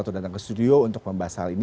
untuk datang ke studio untuk membahas hal ini